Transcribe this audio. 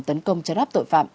tấn công chân áp tội phạm